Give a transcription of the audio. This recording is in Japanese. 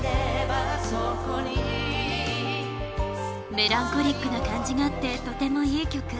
メランコリックな感じがあってとてもいい曲。